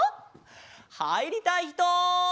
はいりたいひと？